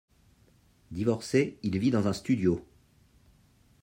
Divorcé, il vit dans un studio.